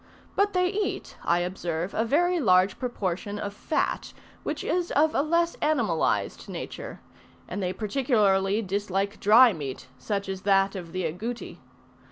But they eat, I observe, a very large proportion of fat, which is of a less animalized nature; and they particularly dislike dry meat, such as that of the Agouti.